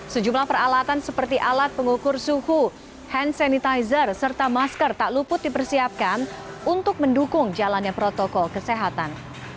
sejumlah peralatan seperti alat pengukur suhu hand sanitizer serta masker tak luput dipersiapkan untuk mendukung jalannya protokol kesehatan